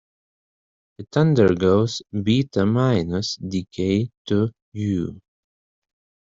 It undergoes beta-minus decay to U.